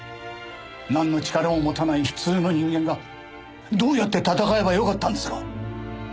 なんの力も持たない普通の人間がどうやって戦えば良かったんですか？